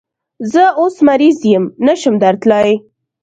زه اوس مریض یم، نشم درتلای